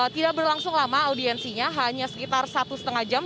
tidak berlangsung lama audiensinya hanya sekitar satu lima jam